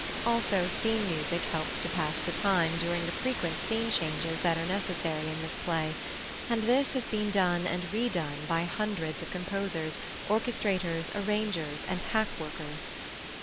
Also scene music helps to pass the time during the frequent scene changes that are necessary in this play, and this has been done and re done by hundreds of composers, orchestrators, arrangers, and hack workers.